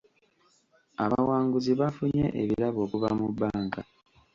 Abawanguzi baafunye ebirabo okuva mu bbanka.